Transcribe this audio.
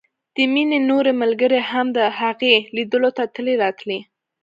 د مينې نورې ملګرې هم د هغې ليدلو ته تلې راتلې